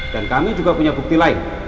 dan kami juga punya bukti lain